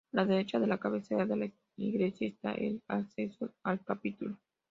A la derecha de la cabecera de la iglesia está el acceso al capítulo.